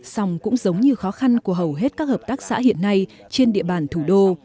xong cũng giống như khó khăn của hầu hết các hợp tác xã hiện nay trên địa bàn thủ đô